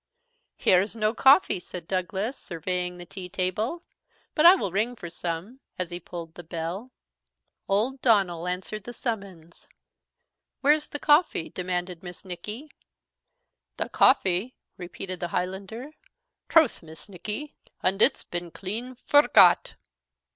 "Here's no coffee," said Douglas, surveying the tea table; "but I will ring for some," as he pulled the bell. Old Donald answered the summons. "Where's the coffee?" demanded Miss Nicky. "The coffee!" repeated the Highlander; "troth, Miss Nicky, an' it's been clean forgot."